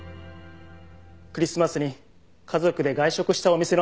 クリスマスに家族で外食したお店の味を。